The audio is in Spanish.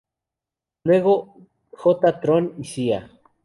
Luego, J. Tron y Cía.